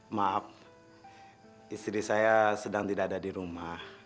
maaf istri saya sedang tidak ada di rumah